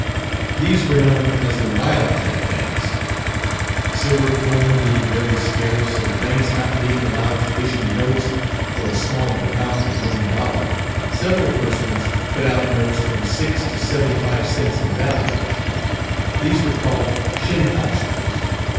These were known as the "Wild Cat Banks." Silver coin being very scarce, and the banks not being allowed to issue notes for a smaller amount than one dollar, several persons put out notes from 6 to 75 cents in value; these were called "Shinplasters."